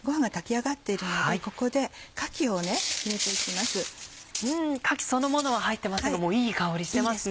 かきそのものは入ってませんがもういい香りしてますね。